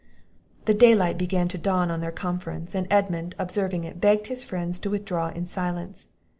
The daylight began to dawn upon their conference; and Edmund, observing it, begged his friends to withdraw in silence.